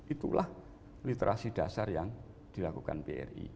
itulah literasi dasar yang dilakukan bri